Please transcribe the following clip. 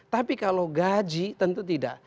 tapi kalau gaji tentu tidak